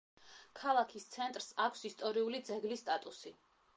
ქალაქის ცენტრს აქვს ისტორიული ძეგლის სტატუსი.